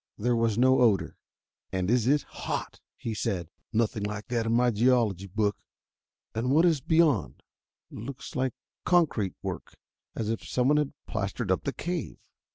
There was no odor. "And is it hot!" he said. "Nothing like that in my geology book. And what is beyond? Looks like concrete work, as if someone had plastered up the cave."